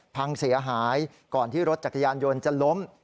พังเสียหายก่อนที่รถจักรยานยนต์จะล้ม